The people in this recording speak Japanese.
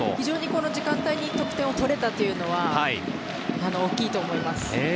この時間帯に得点を取れたというのは大きいと思います。